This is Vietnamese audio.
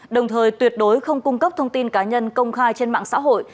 đồng thời tuyệt đối không cung cấp thông tin cá nhân công khai trên mạng xã hội